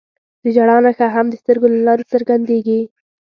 د ژړا نښه هم د سترګو له لارې څرګندېږي